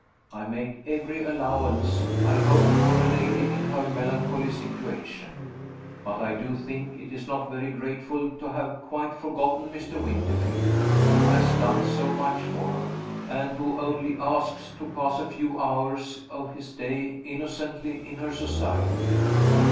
I make every allowance, I hope, for a lady in her melancholy situation. But I do think it is not very grateful to have quite forgotten Mr. Winterfield, who has done so much for her, and who only asks to pass a few hours of his day innocently in her society.